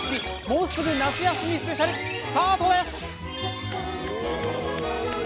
もうすぐ夏休みスペシャル」スタートです！